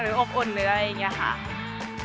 หรือโอบอ่นหรืออะไรอย่างนี้ค่ะ